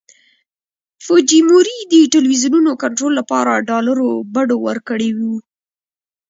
فوجیموري د ټلویزیونونو کنټرول لپاره ډالرو بډو ورکړي وو.